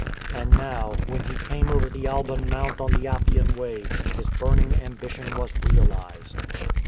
And now, when he came over the Alban Mount on the Appian Way, his burning ambition was realised.